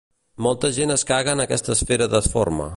Molta gent es caga en aquesta esfera deforme.